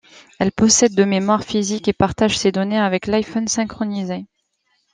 Elle possède de mémoire physique et partage ses données avec l'iPhone synchronisé.